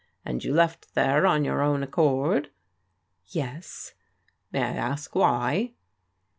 " And you left there on your own accord? "" Yes." "May I ask why?"